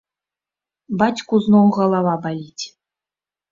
Бацьку зноў галава баліць.